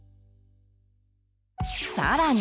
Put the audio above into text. さらに！